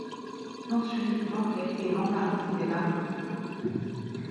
S'ensuivent banquets et vantardises des barons...